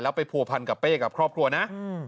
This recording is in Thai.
ไปผัวพันกับเป้กับครอบครัวนะ